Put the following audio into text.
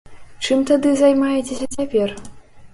Чым тады займаецеся цяпер?